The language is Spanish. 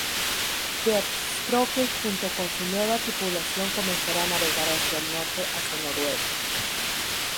Deathstroke junto con su nueva tripulación comenzará a navegar hacia el norte hacia Noruega.